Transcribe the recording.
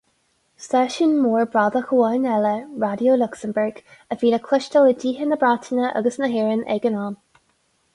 Stáisiún mór bradach amháin eile, Raidió Lucsamburg, a bhí le cloisteáil i dtithe na Breataine agus na hÉireann ag an am.